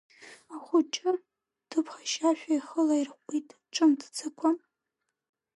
Ахәыҷы, дыԥхашьашәа, ихы лаирҟәит ҽымҭӡакәа.